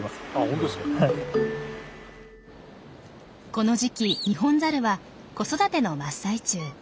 この時期ニホンザルは子育ての真っ最中。